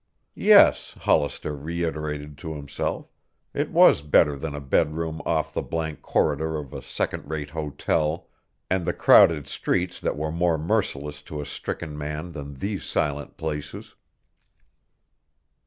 Yes, Hollister reiterated to himself, it was better than a bedroom off the blank corridor of a second rate hotel and the crowded streets that were more merciless to a stricken man than these silent places.